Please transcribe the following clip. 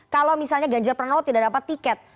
kalau misalnya ganjar pranowo tidak dapat tiket